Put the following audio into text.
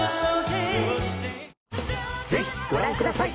ぜひご覧ください。